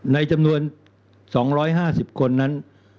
ในจำนวน๒๕๐คนนั้น